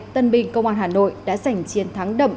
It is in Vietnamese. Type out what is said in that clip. tân binh công an hà nội đã giành chiến thắng đậm